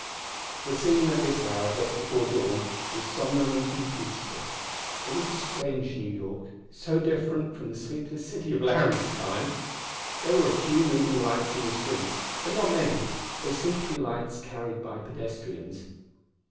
The scene, at this hour just before dawn, was somnolent and peaceful. It was a strange New York, so different from the sleepless city of Larry's time! There were a few moving lights in the streets, but not many; they seemed to be lights carried by pedestrians.